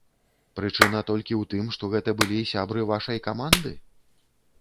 Прычына толькі ў тым, што гэта былі сябры вашай каманды?